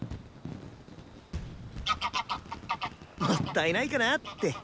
もったいないかなって。